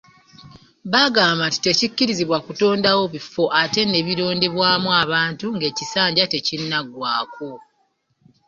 Bagamba nti tekikkirizibwa kutondawo bifo ate ne birondebwamu abantu ng'ekisanja tekinnaggwaako.